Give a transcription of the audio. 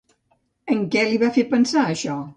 En què li va fer pensar això?